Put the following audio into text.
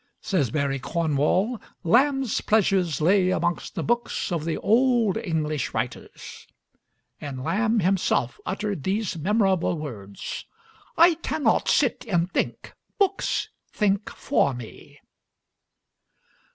Says Barry Cornwall: "Lamb's pleasures lay amongst the books of the old English writers," and Lamb himself uttered these memorable words: "I cannot sit and think books think for me."